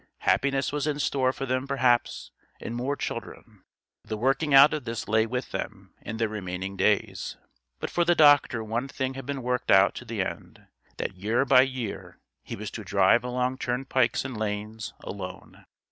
Happiness was in store for them perhaps and more children. The working out of this lay with them and their remaining days. But for the doctor one thing had been worked out to the end: that year by year he was to drive along turnpikes and lanes alone.